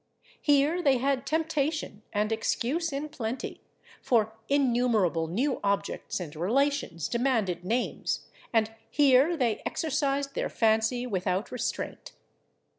Here they had temptation and excuse in plenty, for innumerable new objects and relations demanded names, and here they exercised their fancy without restraint.